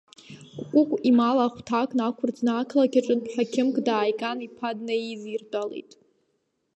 Кәыкә, имал ахәҭак нақәырӡны, ақалақь аҿынтә ҳақьымк дааиган, иԥа днаидиртәалеит.